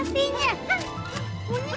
munyit jangan lari kamu